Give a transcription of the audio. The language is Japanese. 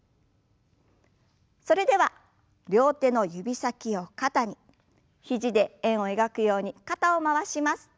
それでは両手の指先を肩に肘で円を描くように肩を回します。